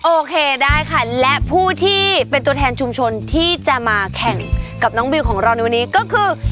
โอเคได้ค่ะและผู้ที่เป็นตัวแทนชุมชนที่จะมาแข่งกับน้องบิวของเราในวันนี้ก็คือ